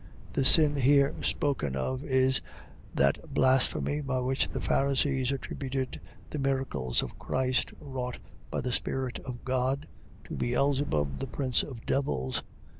. .The sin here spoken of is that blasphemy, by which the Pharisees attributed the miracles of Christ, wrought by the Spirit of God, to Beelzebub the prince of devils.